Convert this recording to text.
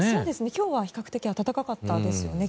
今日は比較的暖かかったですよね。